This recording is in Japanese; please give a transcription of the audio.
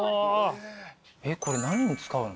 これ何に使うの？